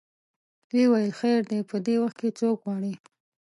وویل خیر دی په دې وخت کې څوک غواړې.